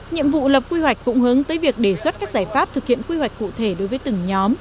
nhiệm vụ lập quy hoạch cũng hướng tới việc đề xuất các giải pháp thực hiện quy hoạch cụ thể đối với từng nhóm